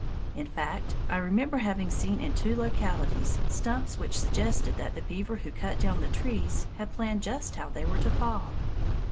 In fact, I remember having seen in two localities stumps which suggested that the beaver who cut down the trees had planned just how they were to fall.